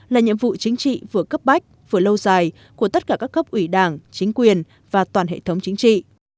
là nhiệm vụ chính trị vừa cấp bách vừa lâu dài của tất cả các cấp ủy đảng chính quyền và toàn hệ thống chính trị